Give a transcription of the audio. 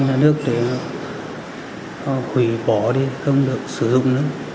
trước đó vào chiều tám tháng một